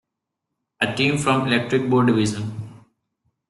A team from Electric Boat Div.